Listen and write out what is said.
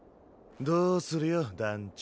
どうするよ団ちょ？